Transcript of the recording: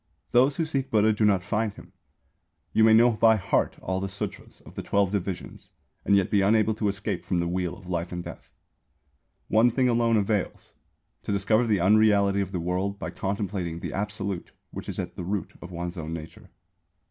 Those who seek Buddha do not find him. You may know by heart all the Sūtras of the twelve divisions, and yet be unable to escape from the Wheel of Life and Death. One thing alone avails to discover the unreality of the World by contemplating the Absolute which is at the root of one's own nature.